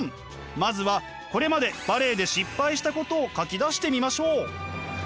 まずはこれまでバレエで失敗したことを書き出してみましょう。